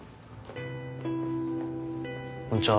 こんちは。